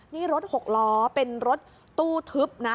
นี่รถหกล้อเป็นรถตู้ทึบนะ